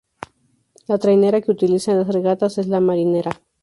La trainera que utiliza en las regatas es "La Marinera".